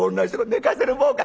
「寝かせるもんか！」。